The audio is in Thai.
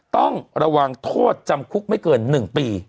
ต้องระวังโทษจำคุกไม่เกิน๑ปี